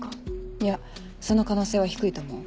いやその可能性は低いと思う。